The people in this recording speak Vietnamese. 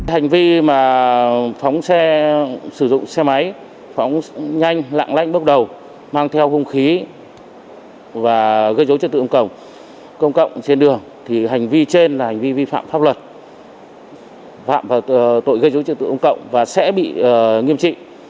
hành vi mà phóng xe sử dụng xe máy phóng nhanh lạng lánh bước đầu mang theo không khí và gây dối trật tự công cộng trên đường thì hành vi trên là hành vi vi phạm pháp luật phạm vào tội gây dối trật tự công cộng và sẽ bị nghiêm trị